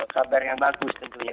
kabar yang bagus tentunya